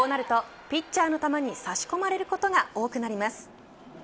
こうなると、ピッチャーの球に差し込まれることが多くなります。